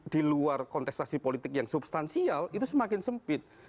di luar kontestasi politik yang substansial itu semakin sempit